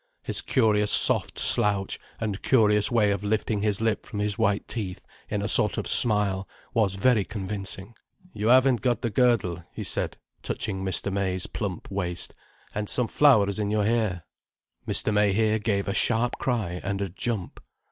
His curious soft slouch, and curious way of lifting his lip from his white teeth, in a sort of smile, was very convincing. "You haven't got the girdle," he said, touching Mr. May's plump waist—"and some flowers in your hair." Mr. May here gave a sharp cry and a jump.